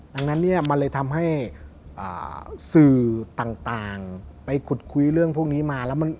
ดังนั้นมันเลยทำให้สื่อต่างไปคุดคุยเรื่องพวกนี้มา